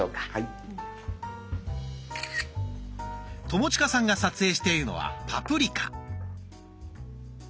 友近さんが撮影しているのはパプリカ。